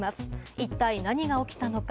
一体何が起きたのか？